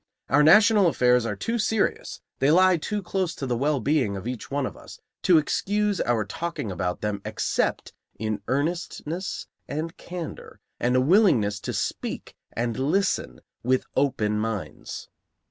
Our national affairs are too serious, they lie too close to the well being of each one of us, to excuse our talking about them except in earnestness and candor and a willingness to speak and listen with open minds.